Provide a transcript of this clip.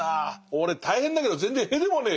俺大変だけど全然屁でもねえよって。